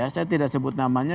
saya tidak sebut namanya